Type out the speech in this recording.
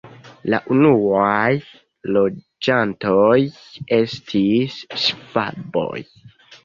La unuaj loĝantoj estis ŝvaboj.